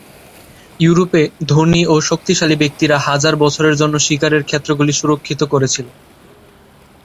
ইউরোপে ধনী ও শক্তিশালী ব্যক্তিরা হাজার বছরের জন্য শিকারের ক্ষেত্রগুলি সুরক্ষিত করেছিল।